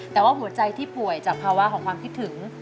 แต่ว่าหัวใจที่ป่วยจากภาวะของความคิดถึง